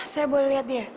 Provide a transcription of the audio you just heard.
saya boleh lihat dia